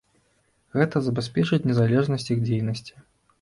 Гэта забяспечыць незалежнасць іх дзейнасці.